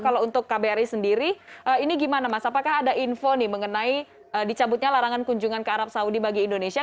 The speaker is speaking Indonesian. kalau untuk kbri sendiri ini gimana mas apakah ada info nih mengenai dicabutnya larangan kunjungan ke arab saudi bagi indonesia